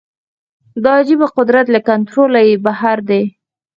دا عجیبه قدرت له کنټروله یې بهر دی